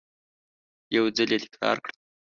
یو ځل یې تکرار کړه !